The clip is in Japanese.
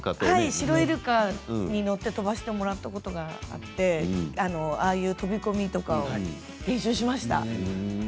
シロイルカに乗って飛ばせてもらってああいう飛び込みとか練習しました。